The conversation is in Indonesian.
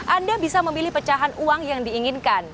anda bisa memilih pecahan uang yang diinginkan